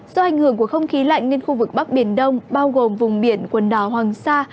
do ảnh hưởng của không khí lạnh nên khu vực bắc biển đông bao gồm vùng biển quần đảo hoàng sa